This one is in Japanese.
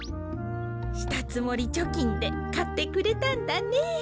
したつもりちょきんでかってくれたんだね。